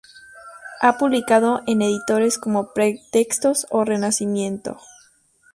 Ha publicado en editoriales como Pre-Textos o Renacimiento.